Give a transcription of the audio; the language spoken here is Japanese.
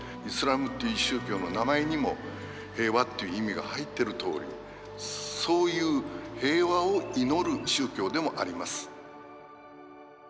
イスラームっていう宗教の名前にも平和っていう意味が入ってるとおりそういう平和を祈る宗教でもあります。